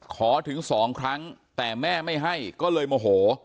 ขอถึง๒ครั้งแต่แม่ไม่ให้ก็เลยโมโห